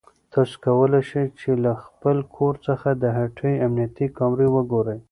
تاسو کولای شئ چې له خپل کور څخه د هټۍ امنیتي کامرې وګورئ.